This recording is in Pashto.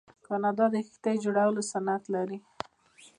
کاناډا د کښتیو جوړولو صنعت لري.